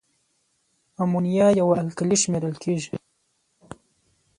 امونیا یوه القلي شمیرل کیږي.